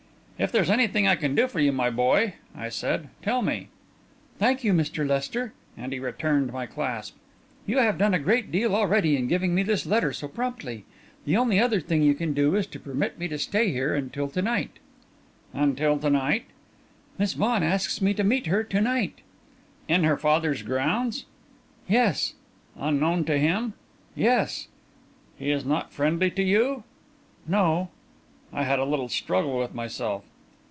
"If there's anything I can do for you, my boy," I said, "tell me." "Thank you, Mr. Lester," and he returned my clasp. "You have done a great deal already in giving me this letter so promptly. The only other thing you can do is to permit me to stay here until to night." "Until to night?" "Miss Vaughan asks me to meet her to night." "In her father's grounds?" "Yes." "Unknown to him?" "Yes." "He is not friendly to you?" "No." I had a little struggle with myself.